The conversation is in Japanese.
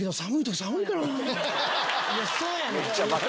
そうやねん！